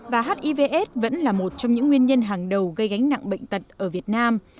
và hivs vẫn là một trong những nguyên nhân hàng đầu gây gánh nặng bệnh tật ở việt nam